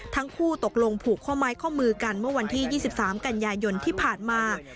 ทั้งคู่ตกลงผูกข้อไม้ข้อมือกันเมื่อวันที่๒๓กันยายนที่ผ่านมา